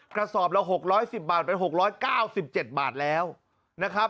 กระสอบละ๖๑๐บาทไป๖๙๗บาทแล้วนะครับ